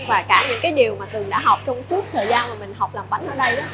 và cả những cái điều mà thường đã học trong suốt thời gian mà mình học làm bánh ở đây